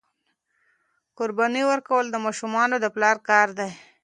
قرباني ورکول د ماشومانو د پلار کار دی.